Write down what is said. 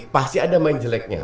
pasti ada main jeleknya